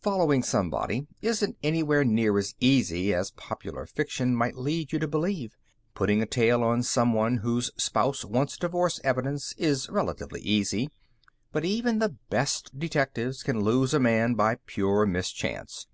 Following somebody isn't anywhere near as easy as popular fiction might lead you to believe. Putting a tail on someone whose spouse wants divorce evidence is relatively easy, but even the best detectives can lose a man by pure mischance.